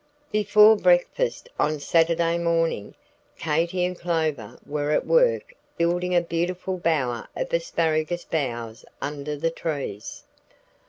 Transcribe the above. Before breakfast on Saturday morning, Katy and Clover were at work building a beautiful bower of asparagus boughs under the trees.